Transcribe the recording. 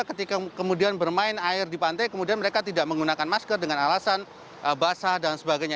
ketika kemudian bermain air di pantai kemudian mereka tidak menggunakan masker dengan alasan basah dan sebagainya